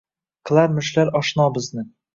Qilarmishlar oshno bizni